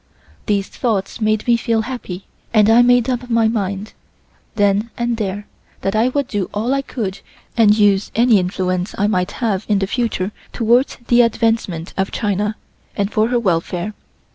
These thoughts made me feel happy and I made up my mind then and there that I would do all I could and use any influence I might have in the future towards the advancement of China and for her welfare.